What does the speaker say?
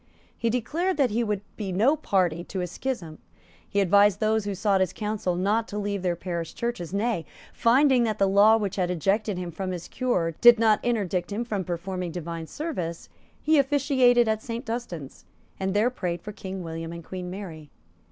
He declared that he would be no party to a schism; he advised those who sought his counsel not to leave their parish churches; nay, finding that the law which had ejected him from his cure did not interdict him from performing divine service, he officiated at Saint Dunstan's, and there prayed for King William and Queen Mary.